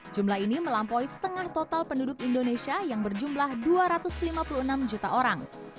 jumlah ini melampaui setengah total penduduk indonesia yang berjumlah dua ratus lima puluh enam juta orang